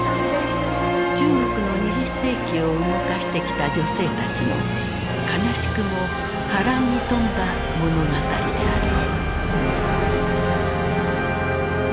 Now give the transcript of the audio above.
中国の２０世紀を動かしてきた女性たちの悲しくも波乱に富んだ物語である。